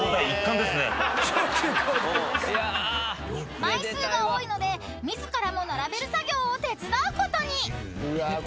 ［枚数が多いので自らも並べる作業を手伝うことに］